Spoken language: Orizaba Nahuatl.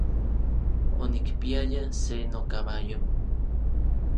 Onikpiaya se nokabayo.